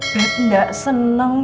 beb gak seneng